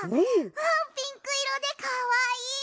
ピンクいろでかわいい！